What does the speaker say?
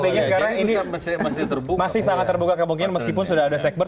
artinya sekarang ini masih sangat terbuka kemungkinan meskipun sudah ada segber